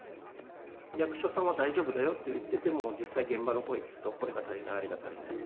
役所さんは大丈夫だよと言っても、実際、現場の声聞くと、これが足りない、あれが足りないと。